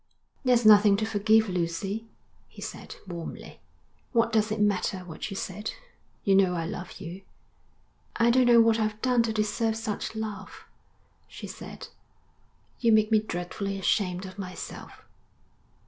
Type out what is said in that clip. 'There's nothing to forgive, Lucy,' he said warmly. 'What does it matter what you said? You know I love you.' 'I don't know what I've done to deserve such love,' she said. 'You make me dreadfully ashamed of myself.'